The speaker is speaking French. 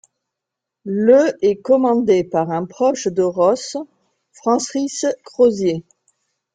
Le est commandé par un proche de Ross, Francis Crozier.